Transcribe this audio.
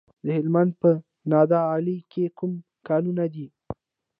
د هلمند په نادعلي کې کوم کانونه دي؟